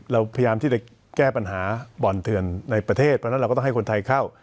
เราพยายามที่จะแก้ปัญหาบ่อนเถื่อนในประเทศเพราะฉะนั้นเราก็ต้องให้คนไทยเข้า